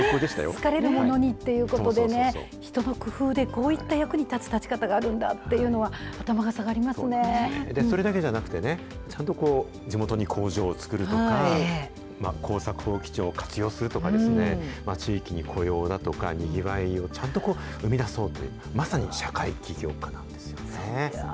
好かれるものにってね、人の工夫で、こういった役に立つ立ち方があるんだっていうのは、頭がそれだけじゃなくてね、ちゃんと地元に工場を作るとか、耕作放棄地を活用するとかですね、地域に雇用だとか、にぎわいをちゃんとこう生み出そうという、まさそうですよね。